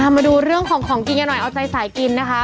มาดูเรื่องของของกินกันหน่อยเอาใจสายกินนะคะ